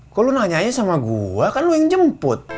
kok lu nanyanya sama gua kan lu yang jemput